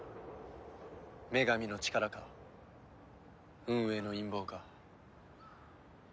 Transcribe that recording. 女神の力か運営の陰謀か。